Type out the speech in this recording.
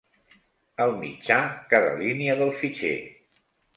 El mitjà cada línia del fitxer.